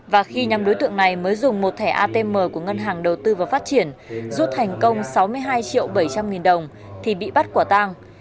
và khi nhóm đối tượng này mới dùng một thẻ atm của ngân hàng đầu tư và phát triển rút thành công sáu mươi hai triệu bảy trăm linh nghìn đồng thì bị bắt quả tang